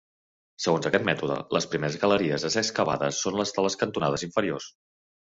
Segons aquest mètode, les primeres galeries a ser excavades són les de les cantonades inferiors.